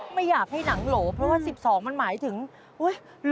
ไม่อยากให้หนังโหลเพราะว่า๑๒มันหมายถึงอุ๊ย